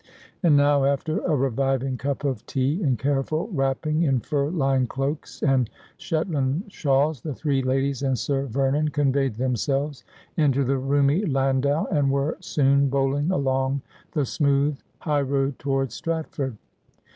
And now, after a reviving cup of tea, and careful wrapping in fur lined cloaks and Shetland shawls, the three ladies and Sir Vernon conveyed themselves into the roomy landau, and were soon bowling along the smooth high road towards Stratford.